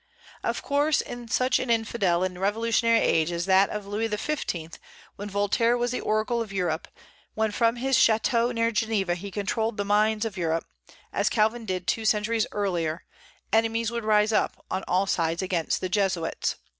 Of course, in such an infidel and revolutionary age as that of Louis XV, when Voltaire was the oracle of Europe, when from his chateau near Geneva he controlled the mind of Europe, as Calvin did two centuries earlier, enemies would rise up, on all sides, against the Jesuits.